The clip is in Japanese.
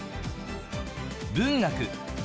文学。